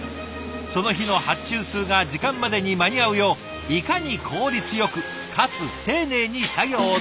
その日の発注数が時間までに間に合うよういかに効率よくかつ丁寧に作業できるか。